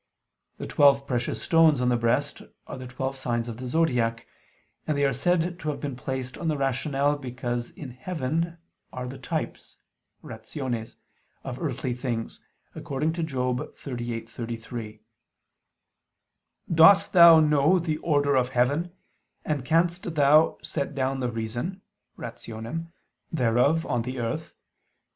The twelve precious stones on the breast are the twelve signs of the zodiac: and they are said to have been placed on the rational because in heaven are the types (rationes) of earthly things, according to Job 38:33: "Dost thou know the order of heaven, and canst thou set down the reason (rationem) thereof on the earth?"